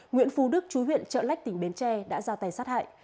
nguyễn phú đức chú huyện trợ lách tỉnh bến tre đã ra tay sát hại